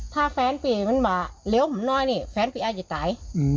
ถ้าแฟนเนี่ยมันบ่าเลี้ยวผมน้อยเนี่ยแฟน์มีอาจจะตาย